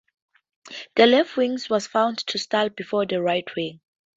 The left wing was found to stall before the right wing.